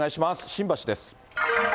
新橋です。